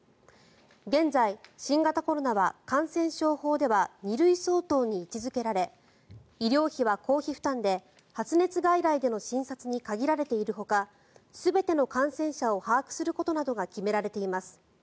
現在、新型コロナは感染症法では２類相当に位置付けられ医療費は公費負担で発熱外来での診察に限られているほか全ての感染者を把握することなどが決められています。